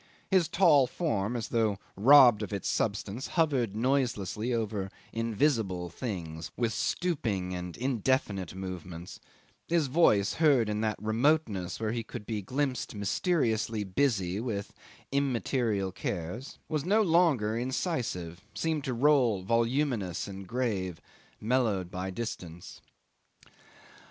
His tall form, as though robbed of its substance, hovered noiselessly over invisible things with stooping and indefinite movements; his voice, heard in that remoteness where he could be glimpsed mysteriously busy with immaterial cares, was no longer incisive, seemed to roll voluminous and grave mellowed by distance.